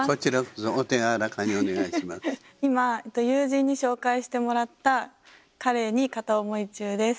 今友人に紹介してもらった彼に片思い中です。